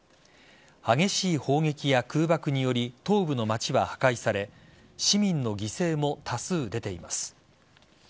激しい砲撃や空爆により東部の町は破壊され市民の犠牲も多数出ています。